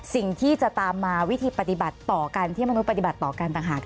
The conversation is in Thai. สิ่งที่จะตามมาวิธีปฏิบัติต่อการที่มนุษย์ปฏิบัติต่อการต่างหาก